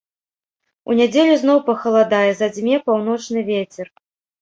У нядзелю зноў пахаладае, задзьме паўночны вецер.